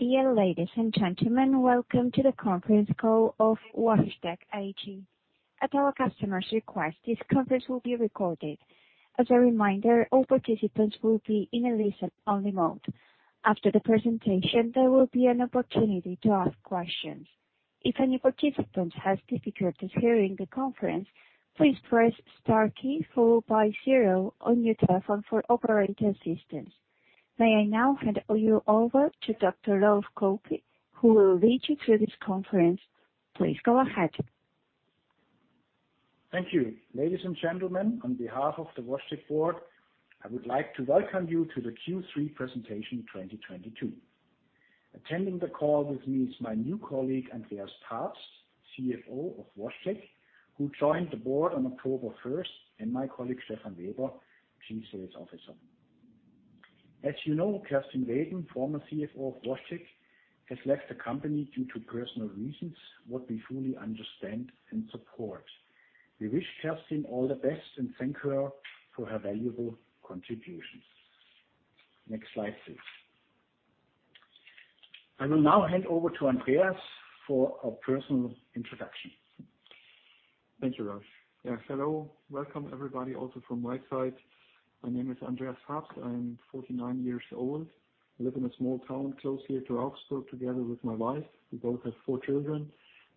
Dear ladies and gentlemen, welcome to the conference call of WashTec AG. At our customer's request, this conference will be recorded. As a reminder, all participants will be in a listen-only mode. After the presentation, there will be an opportunity to ask questions. If any participant has difficulties hearing the conference, please press star key followed by zero on your telephone for operator assistance. May I now hand all you over to Dr. Ralf Koeppe, who will lead you through this conference. Please go ahead. Thank you. Ladies and gentlemen, on behalf of the WashTec board, I would like to welcome you to the Q3 presentation 2022. Attending the call with me is my new colleague, Andreas Pabst, CFO of WashTec, who joined the board on October 1, and my colleague, Stephan Weber, Chief Sales Officer. As you know, Kerstin Reden, former CFO of WashTec, has left the company due to personal reasons, what we fully understand and support. We wish Kerstin all the best and thank her for her valuable contributions. Next slide, please. I will now hand over to Andreas for a personal introduction. Thank you, Ralf. Yeah. Hello. Welcome, everybody, also from my side. My name is Andreas Pabst. I'm 49 years old. I live in a small town close here to Augsburg, together with my wife. We both have four children.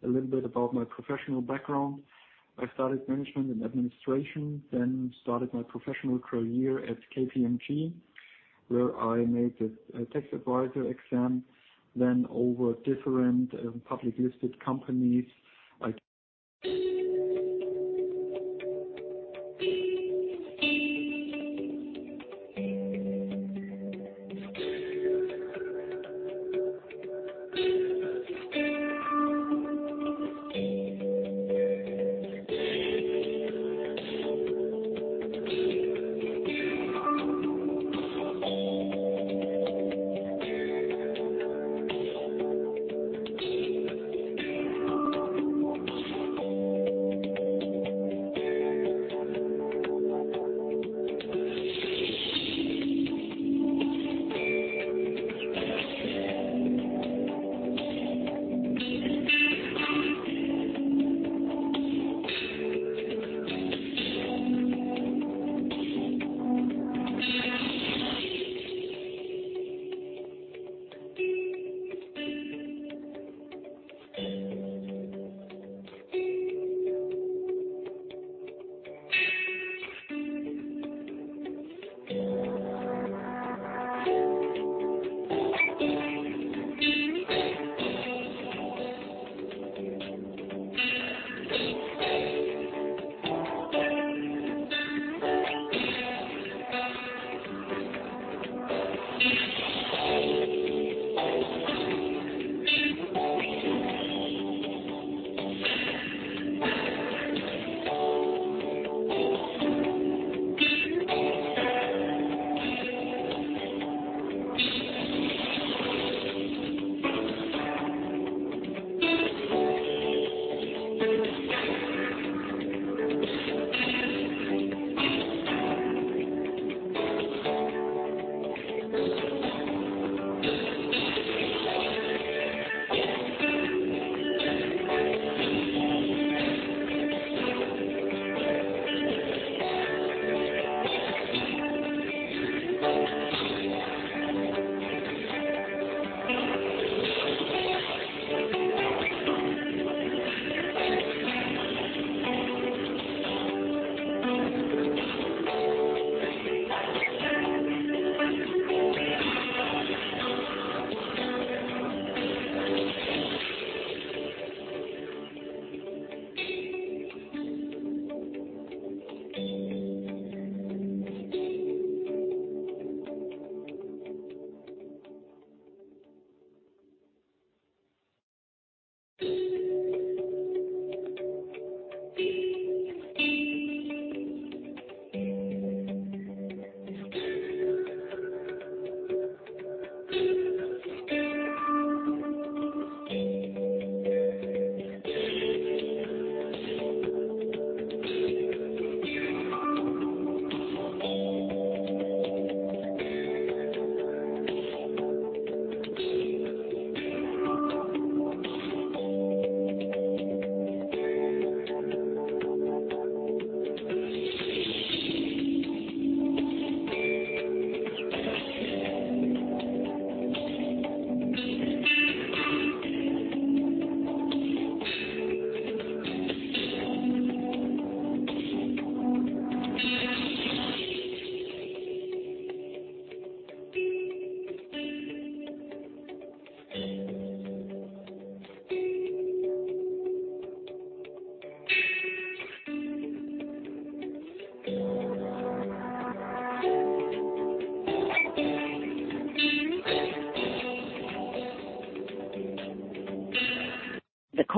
A little bit about my professional background. I started management and administration, then started my professional career at KPMG, where I made the tax advisor exam. Then over different public listed companies,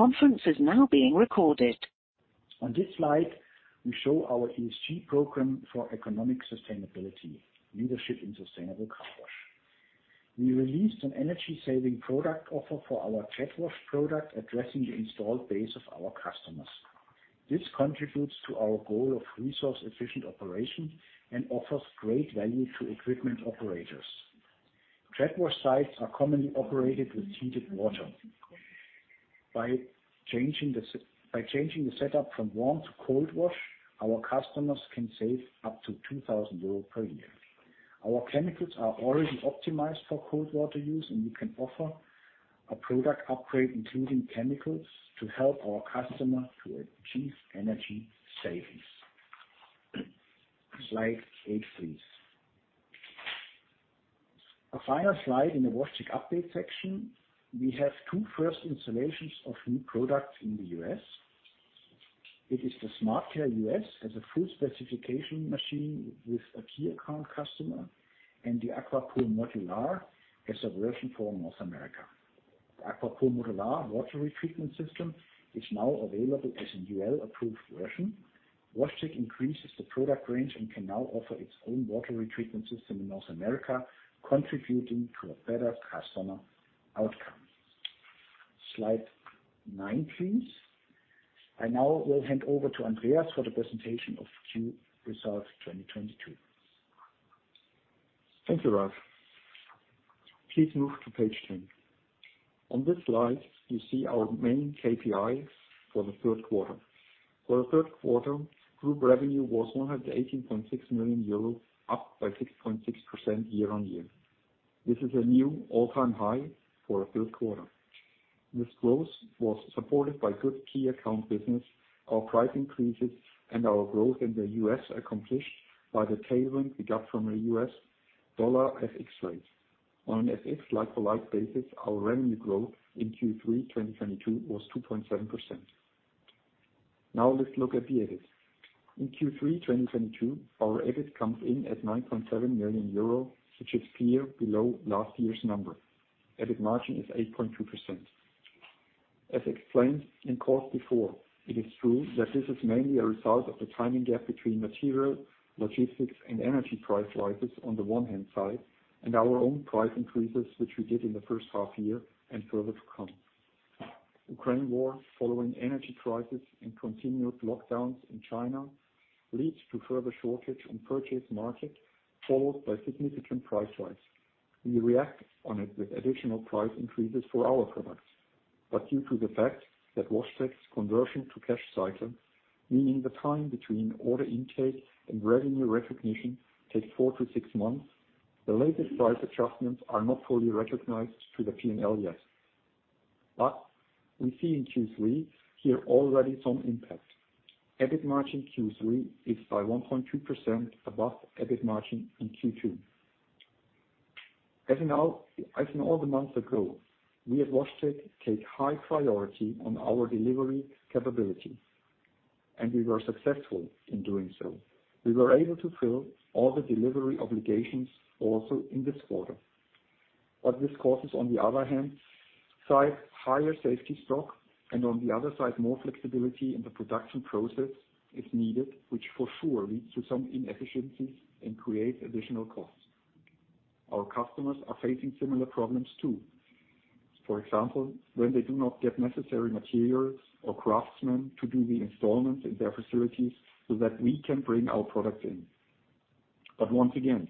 I... The conference is now being recorded. On this slide, we show our ESG program for economic sustainability, leadership in sustainable car wash. We released an energy-saving product offer for our JetWash product, addressing the installed base of our customers. This contributes to our goal of resource efficient operation and offers great value to equipment operators. JetWash sites are commonly operated with heated water. By changing the setup from warm to cold wash, our customers can save up to 2,000 euros per year. Our chemicals are already optimized for cold water use, and we can offer a product upgrade, including chemicals, to help our customer to achieve energy savings. Slide eight, please. A final slide in the WashTec update section, we have two first installations of new products in the US. It is the SmartCare US as a full specification machine with a key account customer and the AquaPur Modular as a version for North America. AquaPur Modular water treatment system is now available as a UL approved version. WashTec increases the product range and can now offer its own water treatment system in North America, contributing to a better customer outcome. Slide nine, please. I now will hand over to Andreas for the presentation of Q results 2022. Thank you, Ralf. Please move to page 10. On this slide, you see our main KPIs for the Q3. For the Q3, group revenue was 118.6 million euros, up by 6.6% year-on-year. This is a new all-time high for a Q3. This growth was supported by good key account business, our price increases, and our growth in the US accompanied by the tailwind we got from the US dollar FX rates. On an FX like-for-like basis, our revenue growth in Q3 2022 was 2.7%. Now let's look at the EBIT. In Q3 2022, our EBIT comes in at 9.7 million euro, which is clearly below last year's number. EBIT margin is 8.2%. As explained in calls before, it is true that this is mainly a result of the timing gap between material, logistics, and energy price rises on the one hand side, and our own price increases, which we did in the first half year and further to come. Ukraine war following energy crisis and continued lockdowns in China leads to further shortage on purchase market, followed by significant price rise. We react on it with additional price increases for our products. Due to the fact that WashTec's conversion to cash cycle, meaning the time between order intake and revenue recognition takes 4-6 months, the latest price adjustments are not fully recognized through the P&L yet. We see in Q3 here already some impact. EBIT margin Q3 is 1.2% above EBIT margin in Q2. As in all the months ago, we at WashTec take high priority on our delivery capabilities, and we were successful in doing so. We were able to fill all the delivery obligations also in this quarter. What this causes, on the one hand, higher safety stock and on the other hand, more flexibility in the production process is needed, which for sure leads to some inefficiencies and creates additional costs. Our customers are facing similar problems, too. For example, when they do not get necessary materials or craftsmen to do the installations in their facilities so that we can bring our products in. Once again,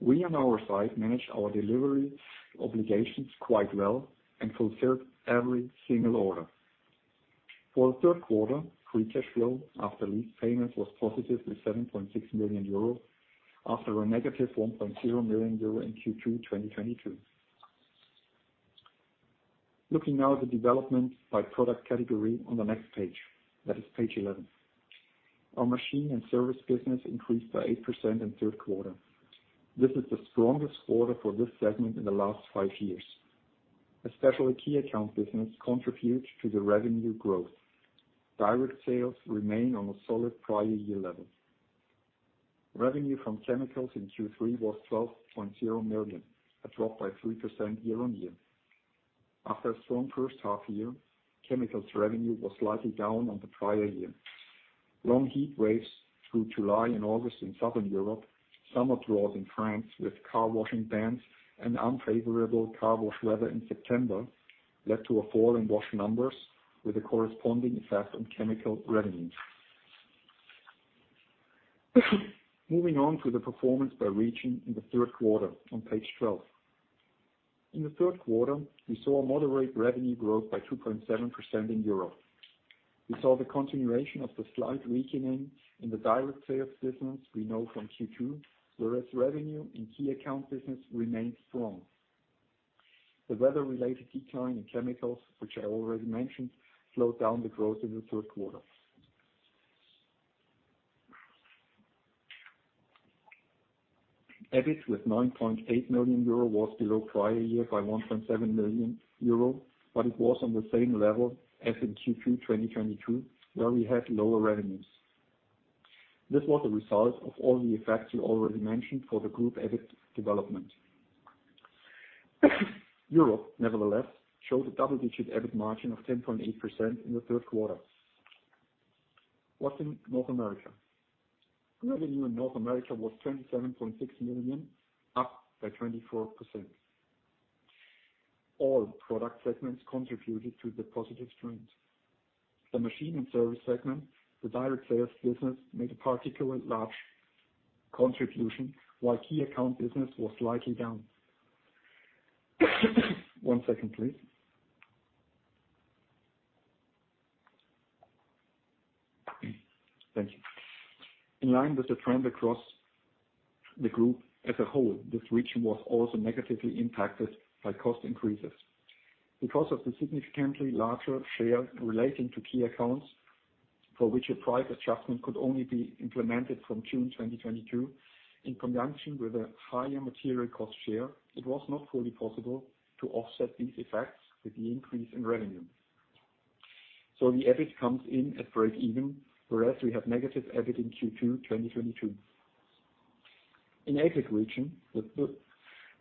we on our side manage our delivery obligations quite well and fulfilled every single order. For the Q3, free cash flow after lease payment was positive with 7.6 million euros, after a negative 1.0 million euro in Q2 2022. Looking now at the development by product category on the next page, that is page 11. Our machine and service business increased by 8% in Q3. This is the strongest quarter for this segment in the last five years. Especially key account business contributes to the revenue growth. Direct sales remain on a solid prior year level. Revenue from chemicals in Q3 was 12.0 million, a drop by 3% year-over-year. After a strong first half year, chemicals revenue was slightly down on the prior year. Long heat waves through July and August in Southern Europe, summer droughts in France with car washing bans and unfavorable car wash weather in September led to a fall in wash numbers with a corresponding effect on chemical revenues. Moving on to the performance by region in the Q3 on page 12. In the Q3, we saw a moderate revenue growth by 2.7% in Europe. We saw the continuation of the slight weakening in the direct sales business we know from Q2, whereas revenue in key account business remained strong. The weather-related decline in chemicals, which I already mentioned, slowed down the growth in the Q3. EBIT with 9.8 million euro was below prior year by 1.7 million euro, but it was on the same level as in Q2 2022, where we had lower revenues. This was a result of all the effects we already mentioned for the group EBIT development. Europe, nevertheless, showed a double-digit EBIT margin of 10.8% in the Q3. What in North America? Revenue in North America was 27.6 million, up by 24%. All product segments contributed to the positive trend. The machine and service segment, the direct sales business made a particularly large contribution, while key account business was slightly down. One second, please. Thank you. In line with the trend across the group as a whole, this region was also negatively impacted by cost increases. Because of the significantly larger share relating to key accounts, for which a price adjustment could only be implemented from June 2022, in conjunction with a higher material cost share, it was not fully possible to offset these effects with the increase in revenue. The EBIT comes in at breakeven, whereas we have negative EBIT in Q2 2022. In APAC region, the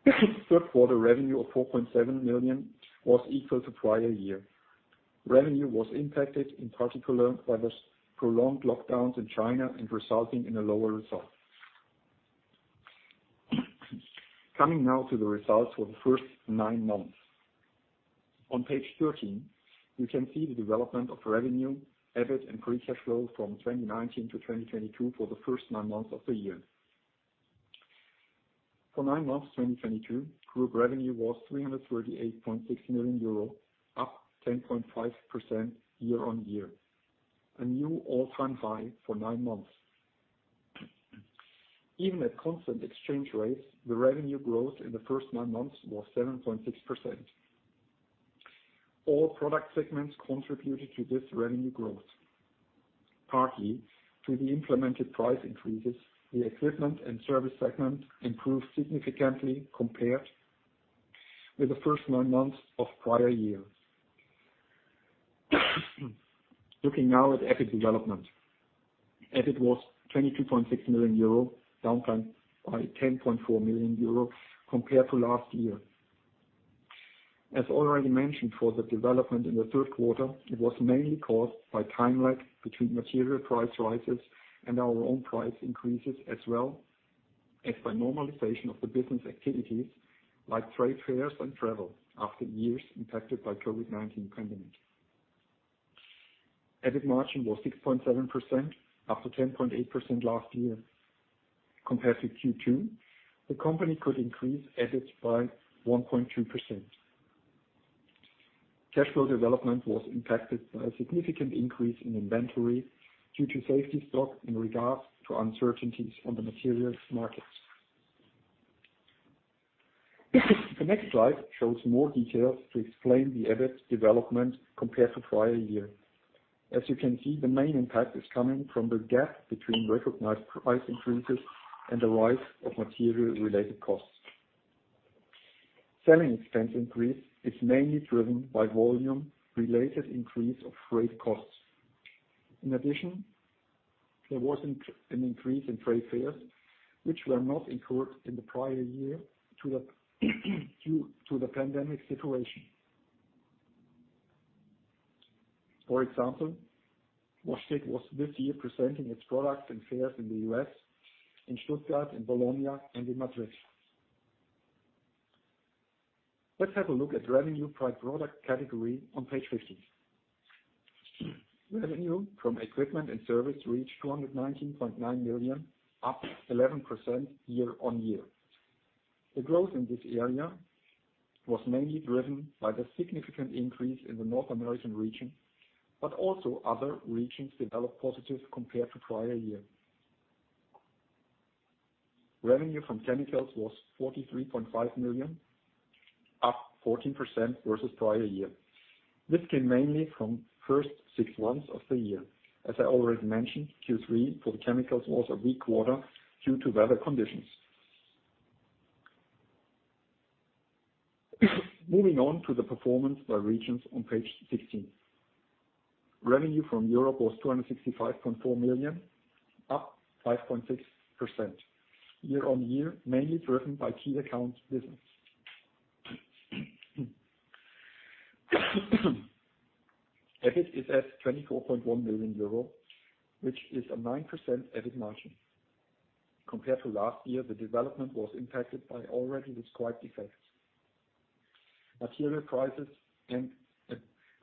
Q3 revenue of 4.7 million was equal to prior year. Revenue was impacted, in particular, by the prolonged lockdowns in China, and resulting in a lower result. Coming now to the results for the first nine months. On page 13, you can see the development of revenue, EBIT, and free cash flow from 2019 to 2022 for the first nine months of the year. For nine months, 2022, group revenue was 338.6 million euro, up 10.5% year-on-year. A new all-time high for nine months. Even at constant exchange rates, the revenue growth in the first nine months was 7.6%. All product segments contributed to this revenue growth, partly due to the implemented price increases. The equipment and service segment improved significantly compared with the first nine months of prior years. Looking now at EBIT development. EBIT was 22.6 million euro, down by 10.4 million euro compared to last year. As already mentioned for the development in the Q3, it was mainly caused by time lag between material price rises and our own price increases, as well as by normalization of the business activities like trade fairs and travel after years impacted by COVID-19 pandemic. EBIT margin was 6.7%, down from 10.8% last year. Compared to Q2, the company could increase EBIT by 1.2%. Cash flow development was impacted by a significant increase in inventory due to safety stock in regards to uncertainties on the materials markets. The next slide shows more details to explain the EBIT development compared to prior year. As you can see, the main impact is coming from the gap between recognized price increases and the rise of material-related costs. Selling expense increase is mainly driven by volume-related increase of freight costs. In addition, there was an increase in trade fairs, which were not incurred in the prior year due to the pandemic situation. For example, WashTec was this year presenting its products at fairs in the U.S., in Stuttgart, in Bologna, and in Madrid. Let's have a look at revenue by product category on page 15. Revenue from equipment and service reached 219.9 million, up 11% year-on-year. The growth in this area was mainly driven by the significant increase in the North American region, but also other regions developed positive compared to prior year. Revenue from chemicals was 43.5 million, up 14% versus prior year. This came mainly from first six months of the year. As I already mentioned, Q3 for the chemicals was a weak quarter due to weather conditions. Moving on to the performance by regions on page 16. Revenue from Europe was 265.4 million, up 5.6% year-on-year, mainly driven by key account business. EBIT is at 24.1 million euro, which is a 9% EBIT margin. Compared to last year, the development was impacted by already described effects. Material prices and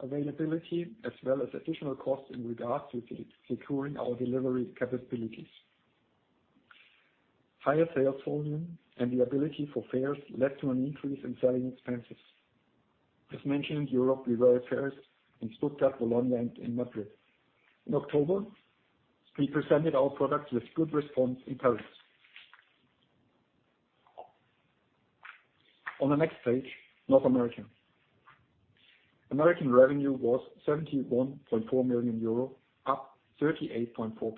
availability, as well as additional costs in regards to securing our delivery capabilities. Higher sales volume and the ability for fairs led to an increase in selling expenses. As mentioned, Europe, we were at fairs in Stuttgart, Bologna, and in Madrid. In October, we presented our products with good response in Paris. On the next page, North America. North American revenue was 71.4 million euro, up 38.4%.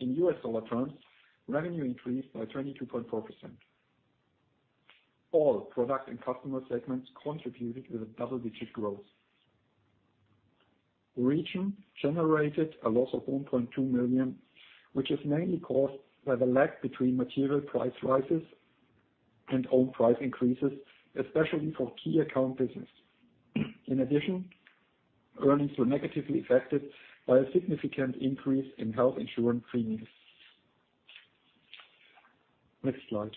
In US dollar terms, revenue increased by 22.4%. All product and customer segments contributed with a double-digit growth. Region generated a loss of 1.2 million, which is mainly caused by the lag between material price rises and own price increases, especially for key account business. In addition, earnings were negatively affected by a significant increase in health insurance premiums. Next slide.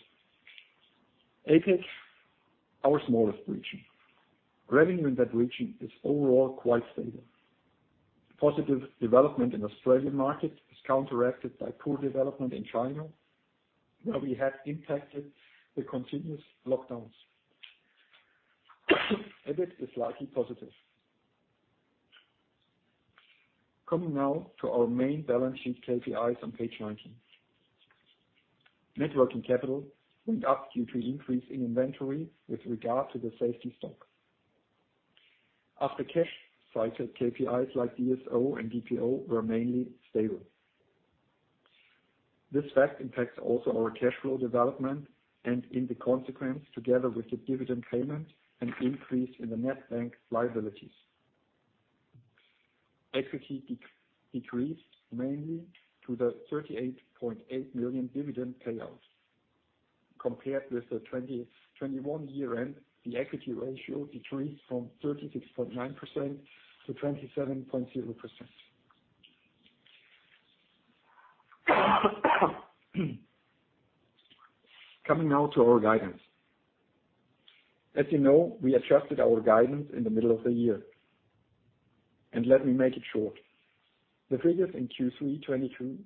APAC, our smallest region. Revenue in that region is overall quite stable. Positive development in Australian market is counteracted by poor development in China, where we have been impacted by the continuous lockdowns. EBIT is slightly positive. Coming now to our main balance sheet KPIs on page 19. Net working capital went up due to increase in inventory with regard to the safety stock. As for cash cycle, KPIs like DSO and DPO were mainly stable. This fact impacts also our cash flow development and in the consequence, together with the dividend payment, an increase in the net bank liabilities. Equity decreased mainly due to the 38.8 million dividend payouts. Compared with the 2021 year-end, the equity ratio decreased from 36.9% to 27.0%. Coming now to our guidance. As you know, we adjusted our guidance in the middle of the year. Let me make it short. The figures in Q3 2022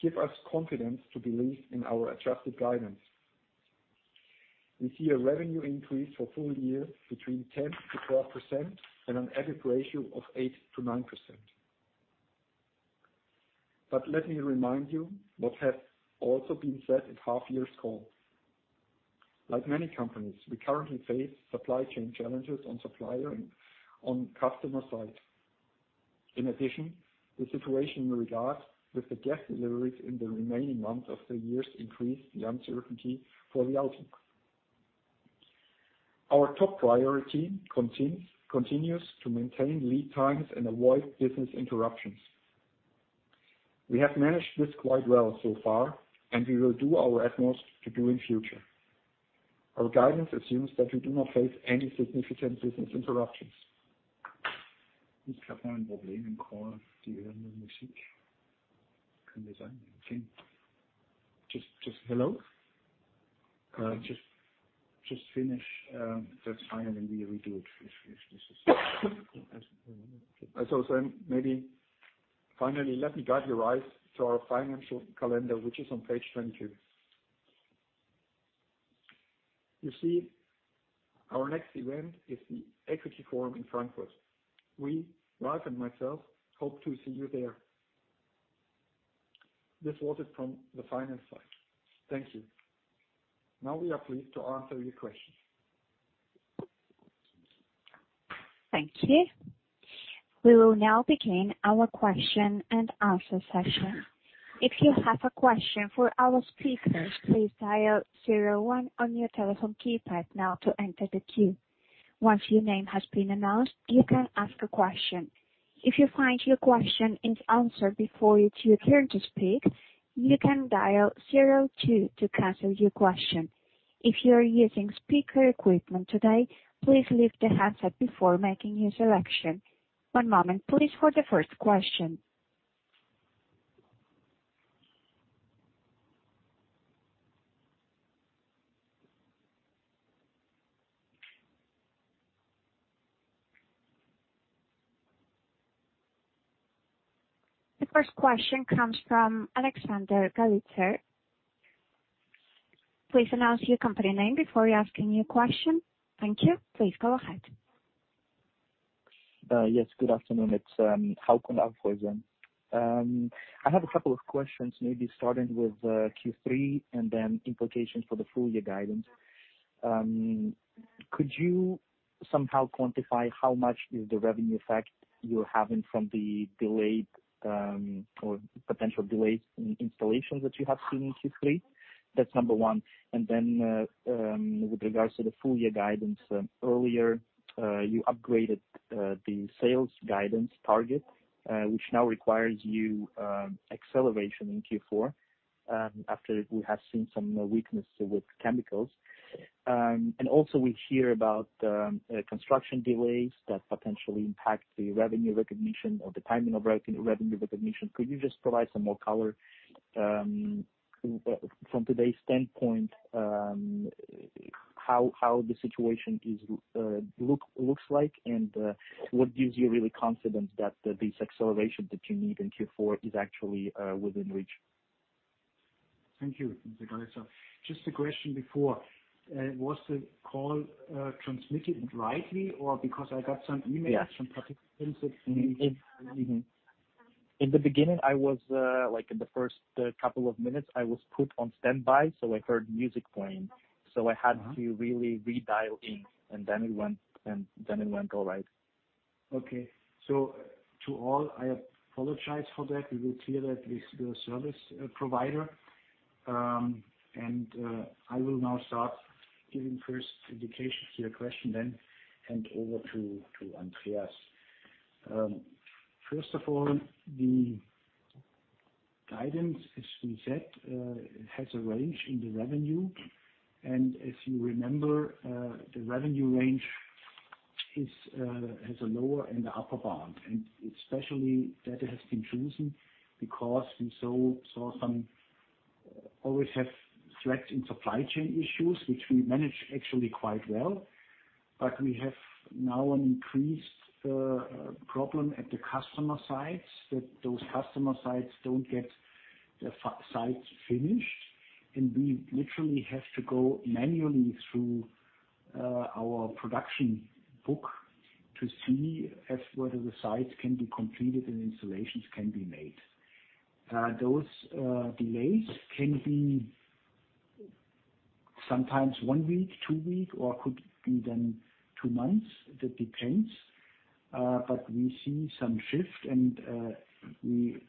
give us confidence to believe in our adjusted guidance. We see a revenue increase for full year between 10%-12% and an EBIT ratio of 8%-9%. Let me remind you what has also been said at half year's call. Like many companies, we currently face supply chain challenges on supplier and on customer side. In addition, the situation in regard with the gas deliveries in the remaining months of the years increase the uncertainty for the outlook. Our top priority continues to maintain lead times and avoid business interruptions. We have managed this quite well so far, and we will do our utmost to do in future. Our guidance assumes that we do not face any significant business interruptions. Just hello? Just finish. That's fine, and we do it if this is. Maybe finally, let me guide your eyes to our financial calendar, which is on page 22. You see our next event is the Deutsches Eigenkapitalforum in Frankfurt. We, Ralf and myself, hope to see you there. This was it from the finance side. Thank you. Now we are pleased to answer your questions. Thank you. We will now begin our question-and-answer session. If you have a question for our speakers, please dial zero one on your telephone keypad now to enter the queue. Once your name has been announced, you can ask a question. If you find your question is answered before it's your turn to speak, you can dial zero two to cancel your question. If you are using speaker equipment today, please leave the handset before making your selection. One moment please for the first question. The first question comes from Alexander Galitsa. Please announce your company name before asking your question. Thank you. Please go ahead. Yes, good afternoon. It's Hauck & Aufhäuser. I have a couple of questions, maybe starting with Q3 and then implications for the full year guidance. Could you somehow quantify how much is the revenue effect you're having from the delayed or potential delays in installations that you have seen in Q3? That's number one. With regards to the full year guidance, earlier you upgraded the sales guidance target, which now requires you acceleration in Q4 after we have seen some weakness with chemicals. We hear about construction delays that potentially impact the revenue recognition or the timing of revenue recognition. Could you just provide some more color from today's standpoint how the situation looks like? What gives you really confidence that this acceleration that you need in Q4 is actually within reach? Thank you. Galitsa. Just a question before, was the call transmitted rightly or because I got some emails? Yes. from participants that Mm-hmm. In the beginning, I was like in the first couple of minutes, I was put on standby, so I heard music playing. Uh-huh. I had to really redial in, and then it went all right. Okay. To all, I apologize for that. We will clear that with the service provider. I will now start giving first indications to your question then hand over to Andreas. First of all, the guidance, as we said, has a range in the revenue. As you remember, the revenue range It has a lower and upper bound, and especially that has been chosen because we always have threats in supply chain issues which we manage actually quite well. We have now an increased problem at the customer sites that those customer sites don't get the facilities finished, and we literally have to go manually through our production book to see whether the sites can be completed and installations can be made. Those delays can be sometimes one week, two weeks, or could be then two months. That depends. We see some shift and we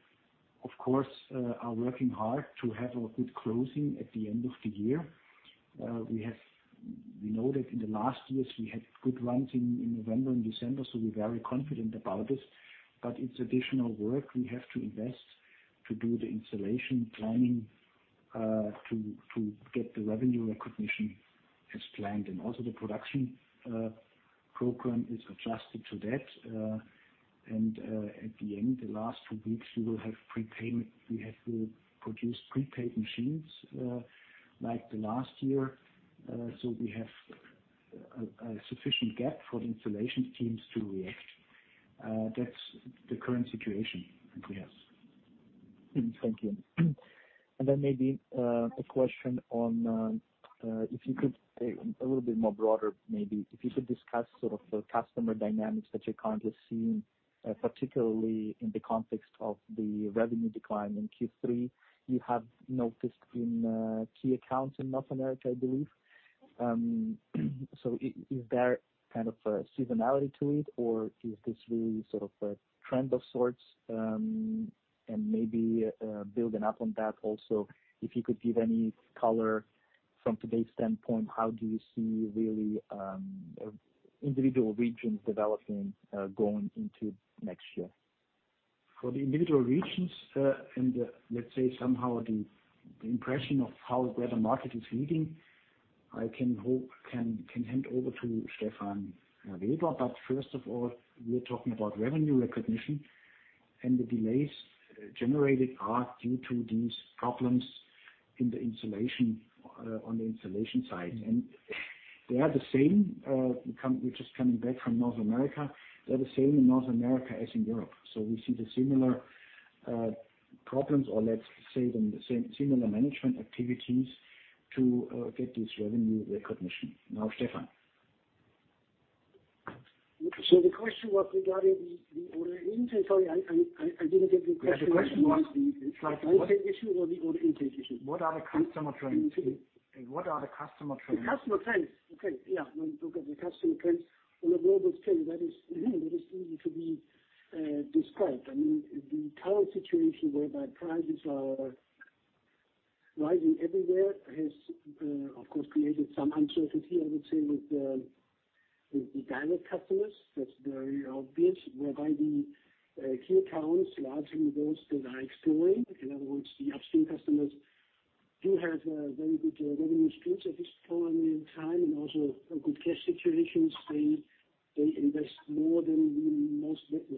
of course are working hard to have a good closing at the end of the year. We know that in the last years we had good runs in November and December. We're very confident about this. It's additional work we have to invest to do the installation planning, to get the revenue recognition as planned. Also the production program is adjusted to that. At the end, the last two weeks, we will have prepayment. We have to produce prepaid machines, like the last year. We have a sufficient gap for the installation teams to react. That's the current situation, yes. Thank you. Maybe a question on if you could say a little bit more broader, maybe. If you could discuss sort of the customer dynamics that you're currently seeing, particularly in the context of the revenue decline in Q3. You have noticed in key accounts in North America, I believe. Is there kind of a seasonality to it or is this really sort of a trend of sorts? Maybe building up on that also, if you could give any color from today's standpoint, how do you see really individual regions developing going into next year? For the individual regions, and let's say somehow the impression of how where the market is leading, I can hand over to Stephan Weber. First of all, we're talking about revenue recognition and the delays generated are due to these problems in the installation on the installation side. They are the same, which is coming back from North America. They're the same in North America as in Europe. We see the similar problems or let's say then similar management activities to get this revenue recognition. Now, Stephan. The question was regarding the order intake. Sorry, I didn't get the question. Yeah. The question was. The order issue or the order intake issue? What are the customer trends? The customer trends. Okay. Yeah. When we look at the customer trends on a global scale, that is easy to be described. I mean, the current situation whereby prices are rising everywhere has of course created some uncertainty, I would say, with the direct customers. That's very obvious. Whereby the key accounts, largely those that are exploring. In other words, the upstream customers do have a very good revenue streams at this point in time and also a good cash situations. They invest more than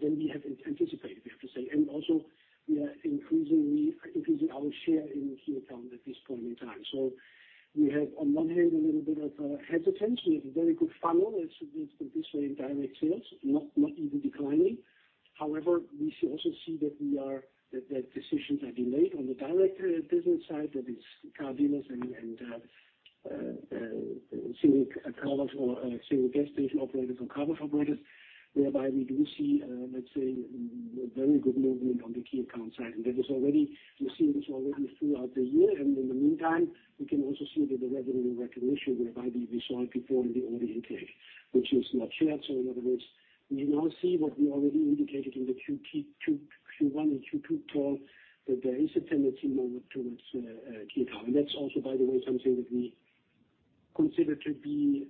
we have anticipated, we have to say. Also we are increasingly increasing our share in key account at this point in time. We have on one hand a little bit of hesitance. We have a very good funnel. It's been this way in direct sales, not even declining. However, we should also see that decisions have been made on the direct business side, that is car dealers and civic accounts or civic gas station operators or carbon operators. We do see, let's say, a very good movement on the key account side. That is already. We've seen this already throughout the year. In the meantime, we can also see that the revenue recognition whereby we saw it before in the order intake, which is not shared. In other words, we now see what we already indicated in the Q1 and Q2 call, that there is a tendency more towards key account. That's also, by the way, something that we consider to be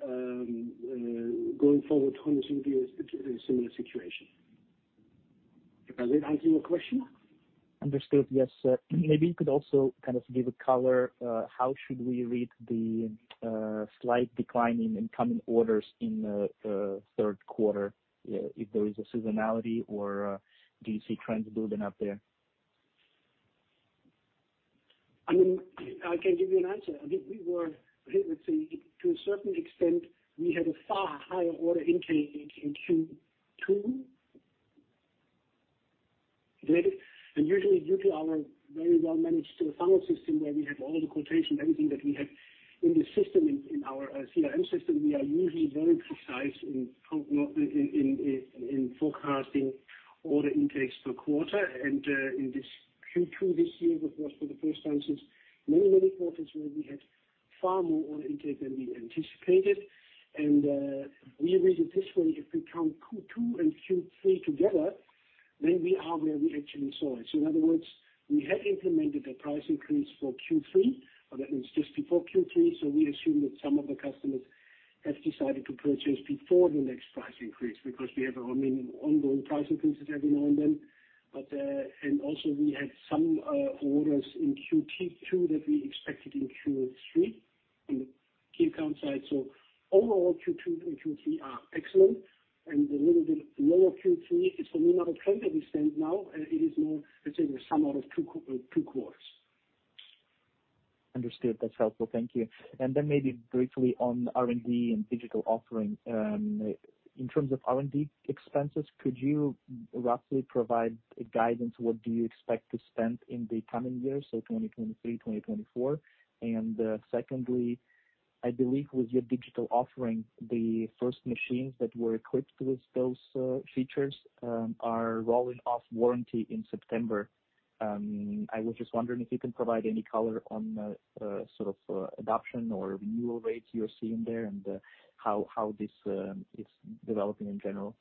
going forward 100% a similar situation. Does that answer your question? Understood. Yes. Maybe you could also kind of give a color, how should we read the slight decline in incoming orders in Q3, if there is a seasonality or do you see trends building up there? I mean, I can give you an answer. I think we were, let's say to a certain extent, we had a far higher order intake in Q2. Usually due to our very well managed funnel system, where we have all the quotations, everything that we have in the system, in our CRM system. We are usually very precise in forecasting order intakes per quarter. In this Q2 this year, which was for the first time since many, many quarters, where we had far more order intake than we anticipated. We read it this way. If we count Q2 and Q3 together, then we are where we actually saw it. In other words, we had implemented a price increase for Q3, or that means just before Q3. We assume that some of the customers have decided to purchase before the next price increase because we have, I mean, ongoing price increases every now and then. We had some orders in Q2 that we expected in Q3 in the- Key account side. Overall Q2 and Q3 are excellent, and a little bit lower Q3. It's a new model train that we stand now, and it is more, let's say, the sum of two quarters. Understood. That's helpful. Thank you. Maybe briefly on R&D and digital offering. In terms of R&D expenses, could you roughly provide a guidance, what do you expect to spend in the coming years, so 2023, 2024? Secondly, I believe with your digital offering, the first machines that were equipped with those features are rolling off warranty in September. I was just wondering if you can provide any color on the sort of adoption or renewal rates you're seeing there and how this is developing in general.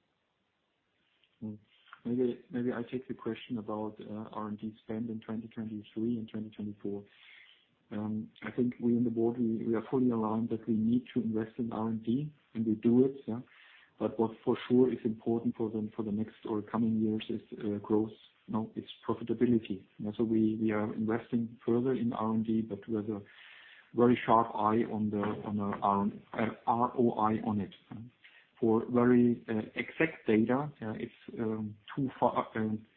Maybe I take the question about R&D spend in 2023 and 2024. I think we on the board are fully aligned that we need to invest in R&D, and we do it, yeah. What for sure is important for them for the next or coming years is growth. Now it's profitability. We are investing further in R&D, but with a very sharp eye on the ROI on it. For very exact data, it's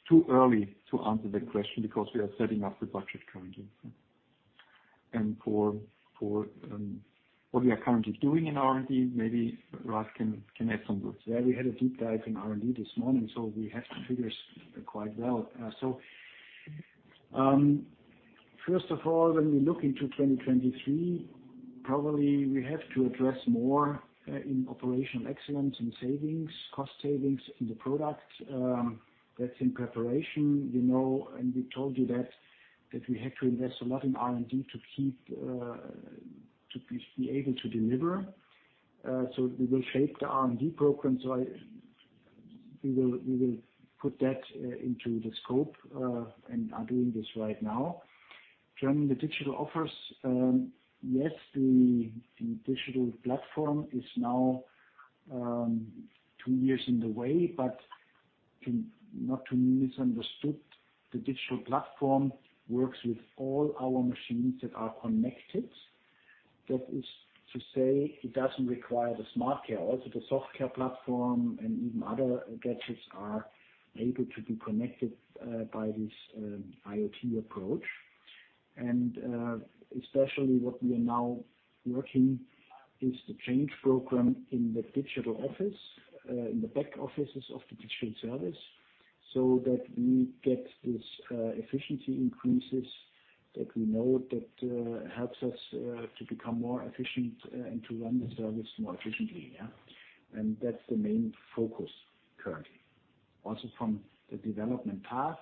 too early to answer that question because we are setting up the budget currently. For what we are currently doing in R&D, maybe Ralf Koeppe can add some words. Yeah, we had a deep dive in R&D this morning, so we have the figures quite well. First of all, when we look into 2023, probably we have to address more in operational excellence and savings, cost savings in the product, that's in preparation, you know. We told you that we have to invest a lot in R&D to keep to be able to deliver. We will shape the R&D program; we will put that into the scope and are doing this right now. During the digital offerings, yes, the digital platform is now two years underway, but not to be misunderstood, the digital platform works with all our machines that are connected. That is to say it doesn't require the SmartCare. Also, the Software Platform and even other gadgets are able to be connected by this IoT approach. Especially what we are now working is the change program in the digital office in the back offices of the digital service, so that we get this efficiency increases that we know that helps us to become more efficient and to run the service more efficiently. That's the main focus currently. Also, from the development part.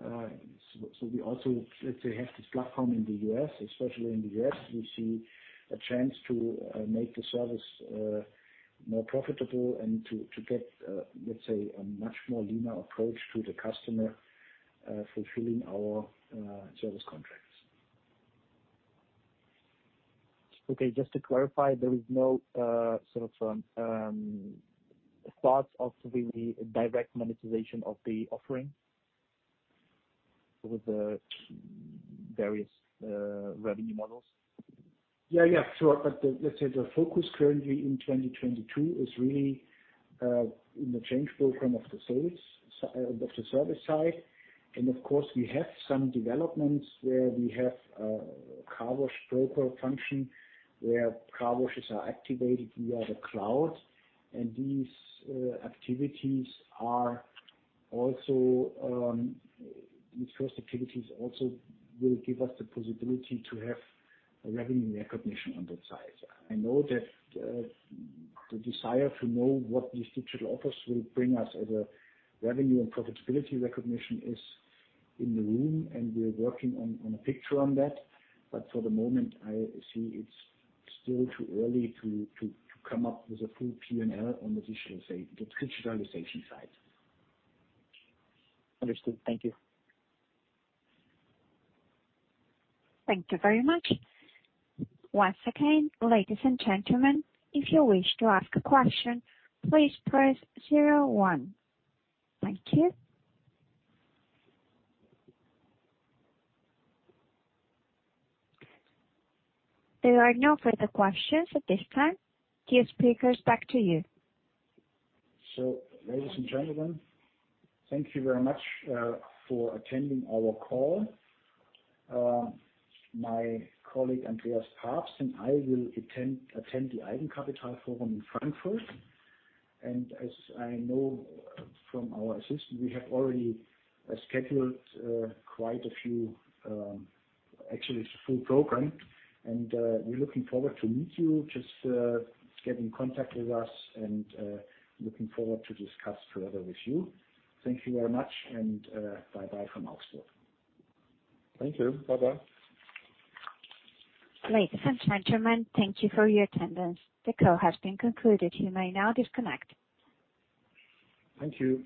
So, we also, let's say, have this platform in the US, especially in the US, we see a chance to make the service more profitable and to get, let's say a much leaner approach to the customer fulfilling our service contracts. Okay. Just to clarify, there is no sort of thoughts of really direct monetization of the offering with the various revenue models? Yeah, yeah. Sure. Let's say the focus currently in 2022 is really in the change program of the service side. Of course, we have some developments where we have a car wash broker function, where car washes are activated via the cloud. These first activities also will give us the possibility to have a revenue recognition on that side. I know that the desire to know what these digital offers will bring us as a revenue and profitability recognition is in the room, and we're working on a picture on that. For the moment, I see it's still too early to come up with a full P&L on the digitalization side. Understood. Thank you. Thank you very much. Once again, ladies and gentlemen, if you wish to ask a question, please press zero one. Thank you. There are no further questions at this time. Dear speakers, back to you. Ladies and gentlemen, thank you very much for attending our call. My colleague, Andreas Pabst, and I will attend the Eigenkapitalforum in Frankfurt. As I know from our assistant, we have already scheduled quite a few, actually it's a full program. We're looking forward to meet you. Just get in contact with us and looking forward to discuss further with you. Thank you very much, and bye-bye from Augsburg. Thank you. Bye-bye. Ladies and gentlemen, thank you for your attendance. The call has been concluded. You may now disconnect. Thank you.